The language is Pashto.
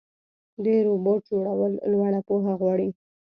د روبوټ جوړول لوړه پوهه غواړي.